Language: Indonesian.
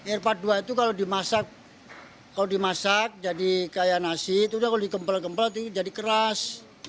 air empat puluh dua itu kalau dimasak kalau dimasak jadi kayak nasi itu udah kalau dikembal kempel jadi keras